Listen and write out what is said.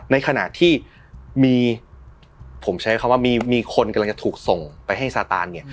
ในขณะที่มีผมใช้คำว่ามีคนกำลังจะถูกส่งไปให้ซาตานเนี่ย